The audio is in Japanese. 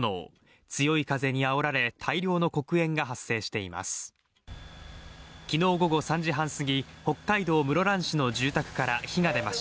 強い風にあおられ大量の黒煙が発生しています。